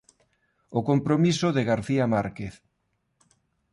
O compromiso de García Márquez